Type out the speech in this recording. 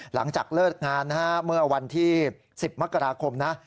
หลังจากเลิกงานนะฮะเมื่อวันที่๑๐มกราคมนะ